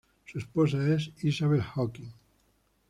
Su esposa es Isabel Hawking.